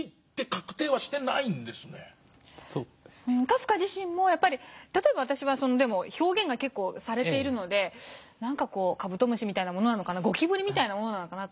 カフカ自身もやっぱり例えば私は表現が結構されているので何かカブトムシみたいなものなのかなゴキブリみたいなものなのかな